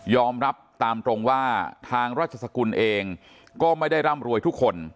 รับตามตรงว่าทางราชสกุลเองก็ไม่ได้ร่ำรวยทุกคน